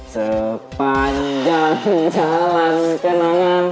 sepanjang jalan kenangan